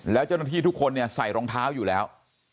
แล้วเจ้าหน้าที่ทุกคนเนี่ยใส่รองเท้าอยู่แล้ว